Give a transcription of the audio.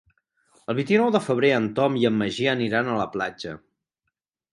El vint-i-nou de febrer en Tom i en Magí aniran a la platja.